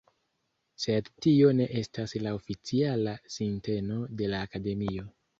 Sed tio ne estas la oficiala sinteno de la Akademio.